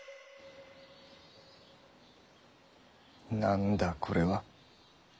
何だこれはッ。